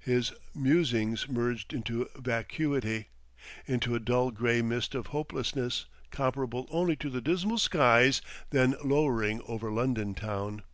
His musings merged into vacuity, into a dull gray mist of hopelessness comparable only to the dismal skies then lowering over London town.